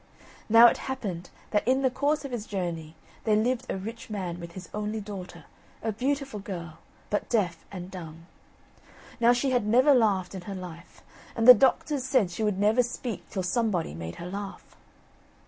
Now it happened that in the course of his journey there lived a rich man with his only daughter, a beautiful girl, but deaf and dumb. Now she had never laughed in her life, and the doctors said she would never speak till somebody made her laugh.